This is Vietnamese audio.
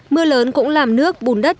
mưa lớn cũng làm nước bùn đất